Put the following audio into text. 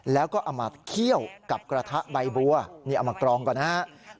แล้วก็เอามาเคี่ยวกับกระทะใบบัวนี่เอามากรองก่อนนะครับ